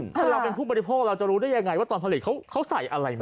ถ้าเราเป็นผู้บริโภคเราจะรู้ได้ยังไงว่าตอนผลิตเขาใส่อะไรมา